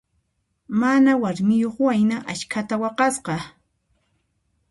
Mana warmiyuq wayna askhata waqasqa.